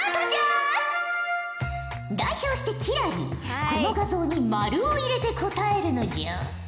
代表して輝星この画像に丸を入れて答えるのじゃ。